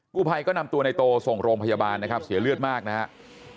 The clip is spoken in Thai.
ผู้ภัยก็นำตัวในโตส่งโรงพยาบาลนะครับเสียเลือดมากนะครับ